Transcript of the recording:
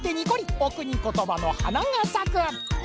お国ことばのはながさく。